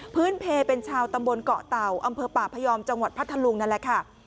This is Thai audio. เพลเป็นชาวตำบลเกาะเต่าอำเภอป่าพยอมจังหวัดพัทธลุงนั่นแหละค่ะ